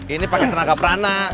ini pakai tenaga perana